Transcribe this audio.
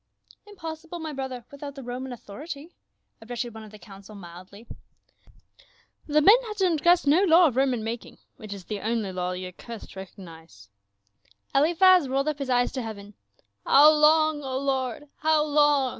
" Impossible, my brother, without the Roman authority," objected one of the council niildl)' ; "the 292 PA UL. men luid transgressed no law of Roman making — which is the only law the accursed recognize." Eliphaz rolled up his eyes to heaven. " How long, O Lord, how long